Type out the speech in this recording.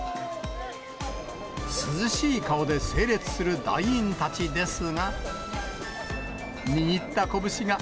涼しい顔で整列する団員たちですが。